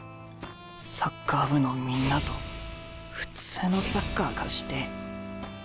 サッカー部のみんなと普通のサッカーがしてえ。